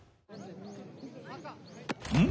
うん？